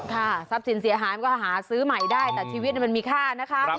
ทรัพย์สินเสียหายมันก็หาซื้อใหม่ได้แต่ชีวิตมันมีค่านะคะ